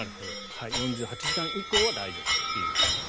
４８時間以降は大丈夫ということです。